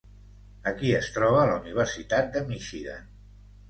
Aquí es troba la Universitat de Michigan.